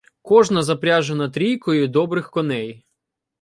Кожна запряжена трійкою добрих коней.